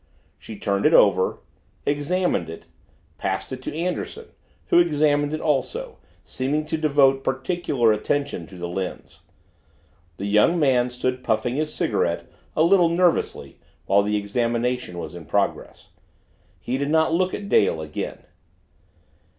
She turned it over, examined it, passed it to Anderson, who examined it also, seeming to devote particular attention to the lens. The young man stood puffing his cigarette a little nervously while the examination was in progress. He did not look at Dale again.